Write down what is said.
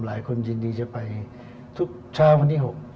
ยินดีจะไปทุกเช้าวันที่๖